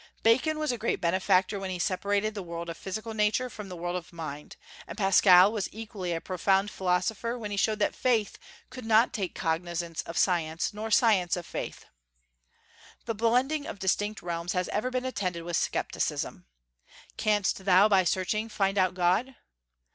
Bacon was a great benefactor when he separated the world of physical Nature from the world of Mind; and Pascal was equally a profound philosopher when he showed that faith could not take cognizance of science, nor science of faith. The blending of distinct realms has ever been attended with scepticism. "Canst thou by searching find out God?"